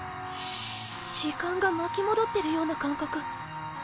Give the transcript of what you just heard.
時間が巻き戻ってるような感覚。